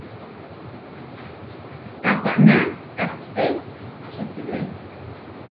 Tapaná kahpé čipúre.